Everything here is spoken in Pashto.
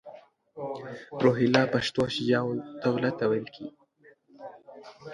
روهیله پښتنو شجاع الدوله ته ویلي.